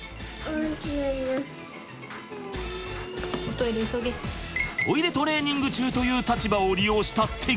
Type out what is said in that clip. トイレトレーニング中という立場を利用した手口！